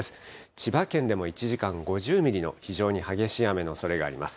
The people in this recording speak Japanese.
千葉県でも１時間５０ミリの非常に激しい雨のおそれがあります。